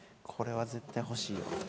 これは絶対欲しいよ。